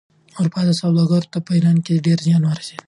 اروپايي سوداګرو ته په ایران کې ډېر زیان ورسېد.